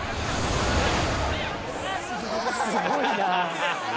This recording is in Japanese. すごいな。